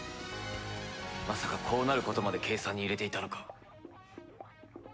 まさかこうなることまで計算に入れていたのか？